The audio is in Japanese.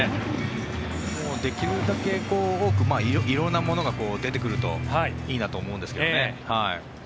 できるだけ多く色んなものが出てくるといいなと思うんですけどね。